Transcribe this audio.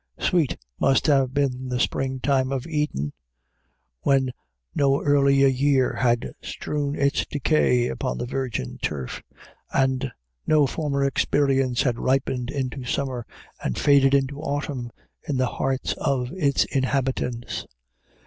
Sweet must have been the spring time of Eden, when no earlier year had strewn its decay upon the virgin turf, and no former experience had ripened into summer and faded into autumn in the hearts of its inhabitants!